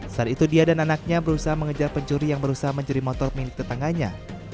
saat itu dia dan anaknya berusaha mengejar pencuri yang berusaha mencuri motor milik tetangganya